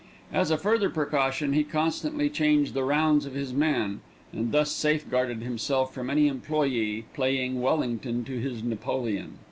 As a further precaution he constantly changed the rounds of his men, and thus safeguarded himself from any employé playing Wellington to his Napoleon.